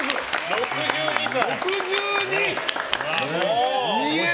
６２歳。